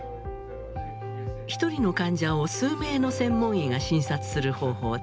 一人の患者を数名の専門医が診察する方法です。